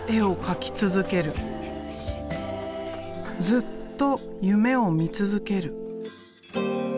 ずっと夢を見続ける。